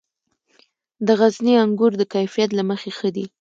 د غزني انګور د کیفیت له مخې ښه دي.